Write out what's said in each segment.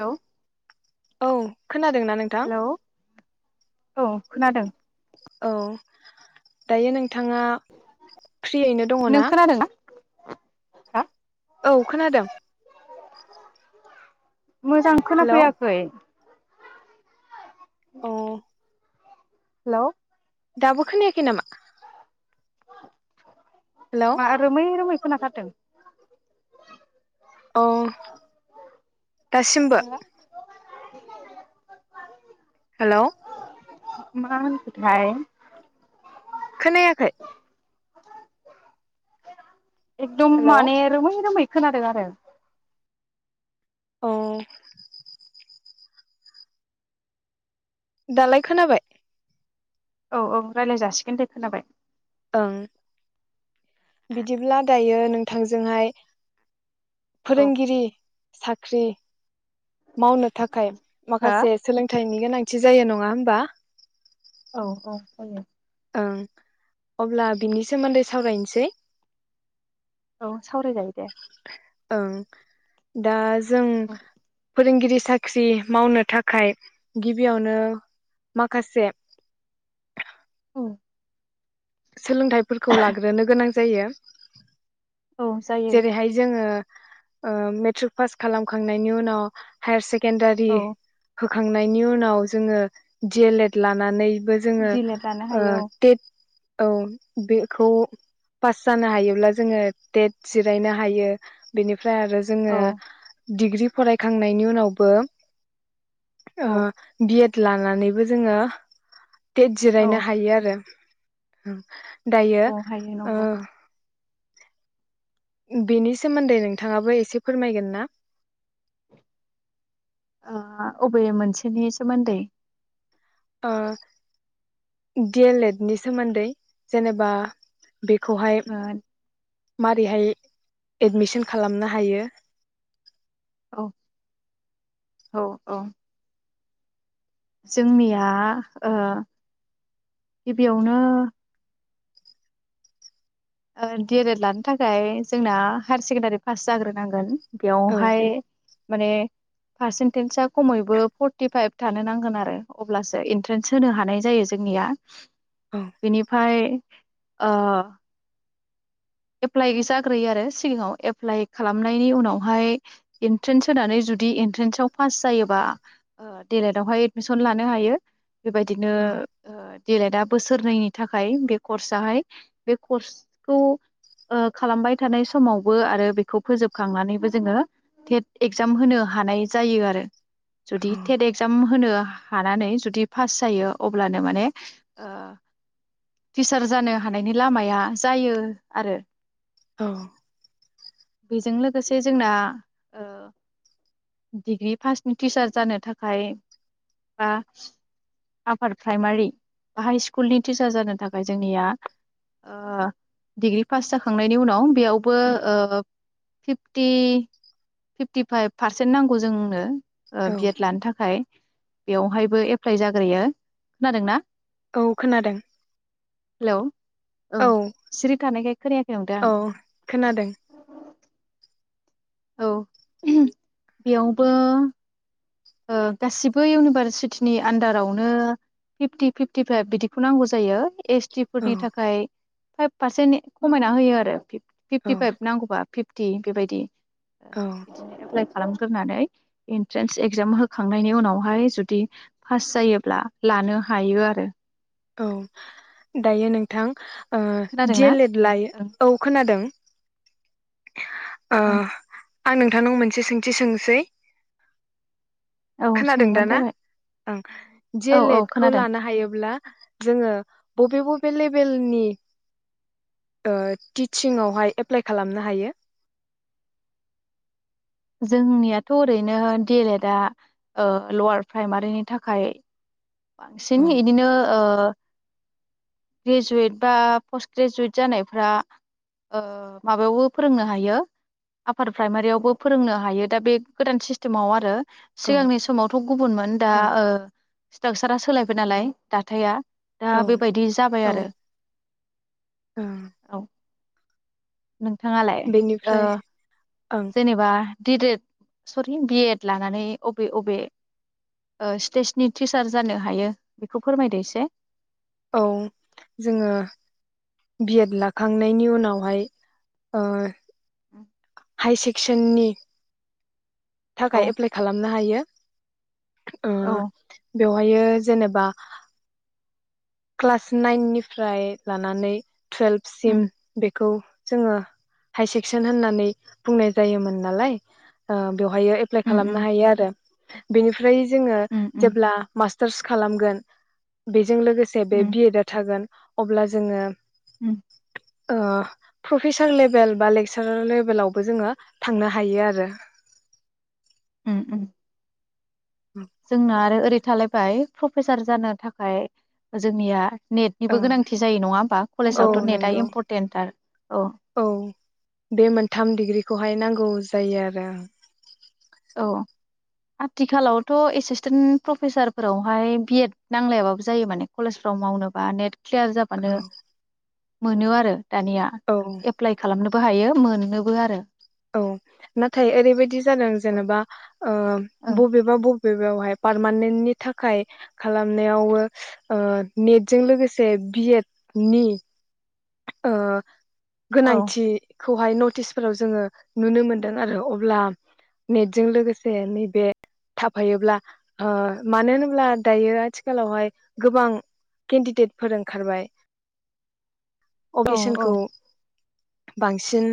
Hello औ खोनादोंना नोंथां हेलौ औ खोनादों औ दायो नों थाङा फ्रियैनो दङ नों ना खोनादों हा औ खोनादों मोजां हेलौ खोनाफैयाखै अ हेलौ दाबो खोनायाखै नामा हेलौ मा रोमै रोमै खोनाथारदों अह दासिमबो [unintelligible] हेलौ मा होनखोथाय खोनायाखै एकदम हेलौ माने रोमै रोमै खोनादों आरो अ दालाय खोनाबाय औ औ रायलाय जासिगोन दे खोनाबाय ओं बिदिब्ला दायो नोंथांजोंहाय औ फोरोंगिरि सा ख्रि मावनो थाखाय हो माखासे सोलोंथाइनि गोनांथि जायो नङा होमबा औ औ जायो ओं अब्ला बिनि सोमोन्दै सावरायनसै औ सावरायजायो दे ओं दा जो जों फोरोंगिरि साख्रि मावनो थाखाय गिबियावनो माखासे [inaudible] सोलोंथाइफोरखौ लाग्रोनो गोनां जायो औ जायो जेरैहाय जोङो ओ मेट्रिक पास खालामखांनायनि उनाव हायार सेक सेकेन्डारि औ खांनायनि उनाव जोङो दि एल एड लानानै बो जोङो दिलेट लानो ओ हायो टेट औ बेखौ पास जानो हायोब्ला जोङो टेट जिरायनो हायो बेनि फ्राय आरो औ जोङो डिग्रि फरायखांनायनि उनावबो ओ औ बि एड लानानैबो जोङो टेट औ जिरायनो हायो आरो [inaudible] दायो औ हायो ओ नंगौ बेनि सोमोन्दै नोंथाङाबो एसे फोरमायगोन ना? ओ अबे मोनसेनि सोमोन्दै? ओ डि एल एड नि सोमोन्दै जेनेबा बेखौहाय ओ मारैहाय एडमिसन खालामनो हायो? औ औ औ जोंनिया ओ गिबियावनो डि एल एड लानो थाखाय जोंना हायार सेकेण्डारि पास जाग्रोनांगोन। औ बेयावहाय माने पारसेन्टेजआ खमैबो फर्टिफाइभ थानो नांगोन आरो अब्लासो एन्ट्रेन्स होनो हानाय जायो जोंनिया। औ बिनिफ्राय ओ एप्लाइ जाग्रोयो आरो सिगाङाव एप्लाइ खालामनायनि उनावहाय एन्ट्रेन्स होनानै जुदि एन्ट्रेन्साव पास बेबायदिनो औ डि एल एडा बोसोरनैनि थाखाय बे कर्स आहाय बे कर्सखौ ओ खालामबाय थानाय समावबो आरो बेखौ फोजोबखांनानैबो जोङो टेट एगजाम होनो हानाय जायो आरो। जुदि औ टेट एक्जाम होनो हानानै जुदि पास जायो अब्लानो माने ओ टिचार जानो हानायनि लामाया जायो आरो औ बेजों लोगोसे जोंना ओ डिग्रि पासनि टिचार जानो थाखाय बा आपार प्राइमारि बा हाइ स्कुलनि टिचार जानो थाखाय जोंनिया डिग्रि पास जाखांनायनि उनाव बेयावबो ओ फिपटि फिपटिफाइभ पारसेन्ट नांगौ जोंनो ओ औ बि एड लानो थाखाय। बेवहायबो एप्लाय जाग्रोयो। खोनादोंना? औ खोनादों हेलौ औ। सिरि थानायखाय खोनायाखै नंदों औ आं। खोनादों औ बेयावबो ओ गासिबो इउनिभारसिटिनि आन्दारावनो फिफटि फिफटि फाइभ बिदिखौ नांगौ जायो। एस टि औ फोरनि थाखाय फाइभ पारसेन्टनि खमायना होयो आरो औ फिफ्टिफाइभ नांगौबा फिफ ति बेबायदि औ [unintelligible] एप्लाइ खालामग्रोनानै इन्ट्रेन्स ए गजाम होखांनायनि उनावहाय जुदि पास जायोब्ला लानो हायो आरो। औ दायो नोंथां ओ खोनादोंना दिएलेट लायो, ओं औ खोनादों ओ ओं आं नोंथांनाव मोनसे सोंथि सोंसै औ खोनादों दा सोंबानो ना? जाबाय ओं। औ औ दिएलेट खौ खोनादों लानो हायोब्ला जोङो बबे बबे लेबेलनि ओ टिचिंआवहाय एप्लाइ खालामनो हायो? जोंनियाथ' ओरैनो दिएलेटआ ओ लवार प्राइमारिनि थाखाय बांसिन औ इदिनो ओ ग्रेजुवेट बा पस्ट ग्रेजुवेट जानायफ्रा‌‌ ओ माबायावबो फोरोंनो हायो आफपार प्राइमारियावबो फोरोंनो हायो दा बे गोदान सिस्टेमाव आरो औ सिगांनि समावथ' गुबुनमोन दा औ ओ स्ट्राक्सारा सोलायबाय नालाय दाथाया दा बेबायदि जाबाय औ आरो। औ औ। नोंथाङालाय ओ बेनिफ्राय ओं जेनोबा दिएलेट सरनि बि एड लानानै बबे बबे ओ स्टेजनि टिचार जानो हायो बेखौ फोरमायदो एसे। औ जोङो बि एड लाखांनायनि उनावहाय ओ हाइ सेक्सननि थाखाय औ एप्लाइ खालामनो हायो। ओ औ बेवहाइयो जेनेबा क्लास नाइन निफ्राय लानानै टुवेल्भसिम उम बेखौ जोङो हाइ सेक्सन होननानै बुंनाय जायोमोन नालाय ओ बेवहायो एप्लााय उम खालामनो उम हायो आरो। बिनि फ्राय जोङो उम उम जेब्ला मास [unintelligible] खालामगोन बेजों लोगो से बे उम बि एड आ थागोन। अब्ला जोङो उम ओ फ्रफेसार लेबेल बा लेक्सारार लेबेलावबो जोङो थांनो हायो आरो। ओम ओम जोंना आरो ओ बे थालायबाय फ्रफेसार जानो थाखाय जोंनिया नेटनिबो ओं गोनांथि जायो नङा होमबा औ कलेजावथ' नेटआ नंगौ इम्परटेन्ट तार। औ बे मोनथाम डिग्रिखौहाय नांगौ जायो आरो। औ आथिखालावथ' एसिसटेन्ट प्रफेसारफोरावहाय बि एड नांलायाबाबो जायो माने कलेजफ्राव मावनोबा नेट ख्लियार जाबानो औ मोनो आरो। दानिया औ एप्लाइ खालामनो बो हायो मोननोबो आरो। औ नाथाय ओरैबायदि जादों औ जेनेबा ओ ओं बबेबा बब लोगोआवहाय पारमानेन्टनि थाखाय खालामनायावबो ओ नेटजों लोगोसे बि एड नि ओ औ गोनांथि खौहाय नटिसफोराव जोङो नुनो मोनदों आरो अब्ला नेटजों लोगोसे नैबे थाफायोब्ला ओ मानो होनोब्ला दायो आथिखालावहाय गोबां केन्दिदेटफोर ओंखारबाय। औ अगेसनखौ बांसिन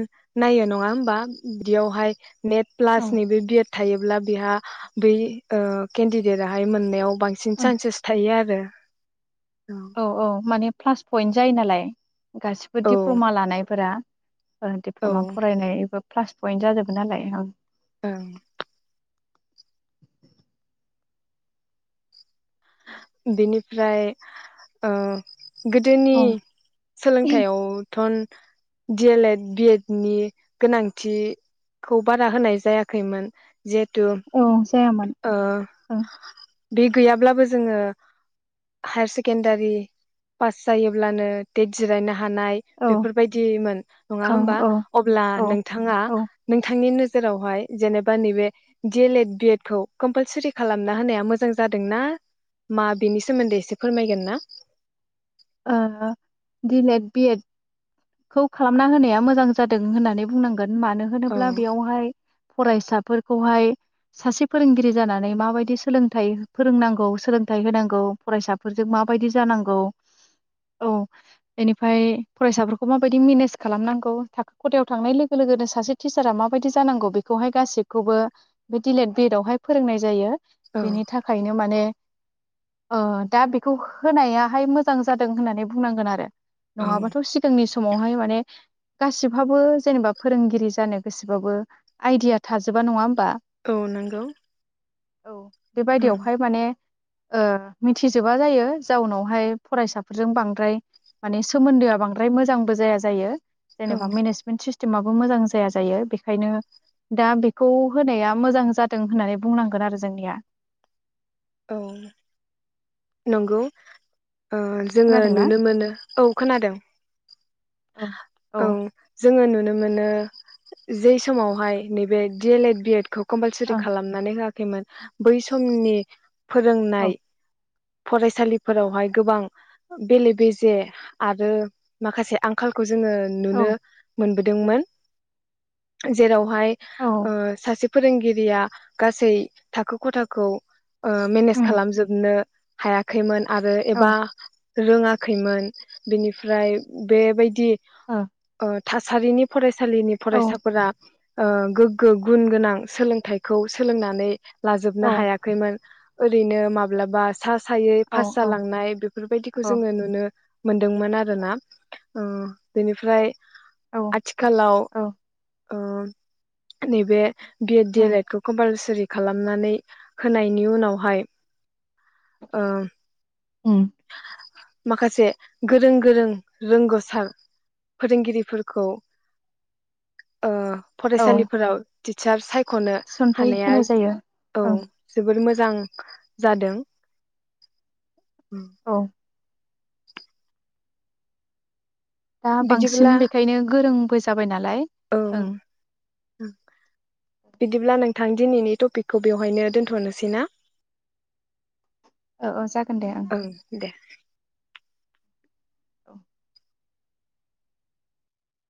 नायो नङा होम बा ब्रियावहाय नेट औ प्लासनि बे बि एड थायोब्ला बेहा बै ओ केन्दिदेदाहाय मोननायाव बांसिन ओं सान्सेस थायो आरो। [inaudible] औ औ माने प्लास फयन्ट जायो नालाय गासिबो औ डिप्लमा लानायफोरा ओं औ डिप्लमा फरायनाय एबा प्लास फयन्ट जाजोबो नालाय ओं ओं बेनिफ्राय ओ गोदोनि ओं सोलोंथाइयाव थन D El Ed, B Ed नि गोनांथिखौ बारा होनाय जायाखैमोन जिहेथु औ जायामोन ओ ओं बे गैयाब्लाबो जोङो हायार सेकेन्डारि फास जायोब्लानो टेट जिरायनो हानाय औ बेफोरबायदिमोन नङा औ होमबा औ अब्ला औ नोंथाङा औ ओ नोंथांनि नो जेरावहाय जेनेबा नैबे D El Ed, B Ed खौ कम्पोलसारि खालामना होनाया मोजां जादोंना मा बेनि सोमोन्दै एसे फोरमायगोन ना। बि एद खौ खालामना होनाया मोजां जादों होननानै बुंनां गोन मानो औ होनोब्ला बेयावहाय फरायसाफोरखौहाय सासे फोरोंगिरि जानानै माबायदि सोलोंथाइ फोरोंनांगौ सोलोंथाइ होनांगौ फरायसाफोरजों माबायदि जानांगौ औ बेनिफाय फरायसाफोरखौ माबायदि मेनेज खालामनांगौ थाखो खथायाव थांनाय लोगो लोगोनो सासे टिचारा माबायदि जानांगौ बेखौहाय गासिबखौबो बे डि लेद, बि एड आवहाय फोरोंनाय जायो। औ बेनि थाखायनो माने ओ दा बेखौ होनायाहाय मो जां जादों होननानै बुंनांगोन आरो। औ नङाबाथ' सिगांनि समावहाय माने गासिब हाबो जेनेबा फोरोंगिरि जानो गासोबाबो आइडिया थाजोबा नङा होम औ नोंगौ औ बेबायदियावहाय माने ओ मिथिजोबा जायो जाउनावहाय फरायसाफोरजों बांद्राय माने सोमोन्दोआ बांद्राय मोजांबो जाया जायो। औ जेनेबा मेनेजमेन्ट सिस टिमाबो मोजां जाया जायो बेखायनो दा बेखौ होनाया मोजां जादों होननानै बुंनांगोन आरो जोंनिया औ नोंगौ ओ जोङो खोनादोंना नुनो मोनो औ खोनादों औ जोङो नु नो मोनो जै समावहाय नैबे D El Ed, B Ed खौ कमपालसारि ओं खालामनानै होया खैमोन बै समनि फोरोंनाय औ फरायसालिफोरावहाय गोबां बेले बेजे आरो माखासे आंखालखौ जोङो नुनो औ मोनबो दोंमोन जेराव, फाय ओ औ सासोब, फोरोंगिरिया गासै थाखो खथाखौ ओ मेनेज उम खालामजोबनो, हायाखैमोन आरो औ एबा रोङाखैमोन बेनिफ्राय बेबायदि ओ थासारिनि फरायस फरायसालिनि फरायसाफोरा ओ गोग्गो गुन गोनां सोलोंथाइखौ सोलोंनानै औ लाजोबनो हायाखैमोन, ओरैनो माब्लाबास, सा सायै पास औ जालांनाय बेफोरबायदिखौ औ जोङो नुनो, मोनदोंमोन आरोना ओ बेनिफ्राय, औ आथिखालाव औ ओम नैबे B Ed D El um एडखौ कमपालसुरि खालामनानै होनाय, नि उनावहाय ओ उम माखासे गोरों गोरों रोंगोसार फोरोंगिरिफोरखौ ओ औ फरायसालिफोराव टिसार साय खनो थिसनथाइ हानाया होनाय जायो औ ओं जोबोर मोजां जादों, उम औ दा बांसिन बिदिब्ला बेखायनो गोरोंबो जाबाय नालाय औ ओं, बिदिब्ला नोंथां दिनैनि टपिकखौ बेवहायनो दोन्थनोसै ना? औ औ जागोन दे ओं, औ